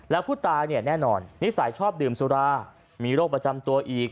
แล้วผู้ตายเนี่ยแน่นอนนิสัยชอบดื่มสุรามีโรคประจำตัวอีก